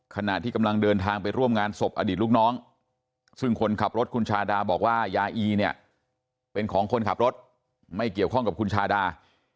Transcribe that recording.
ขณะที่กำลังเดินทางไปร่วมงานศพอดีตลูกน้องซึ่งคนขับรถคุณชาดาบอกว่ายาอีเนี่ยเป็นของคนขับรถไม่เกี่ยวข้องกับคุณชาดา